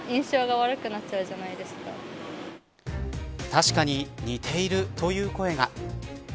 確かに似ているという声が。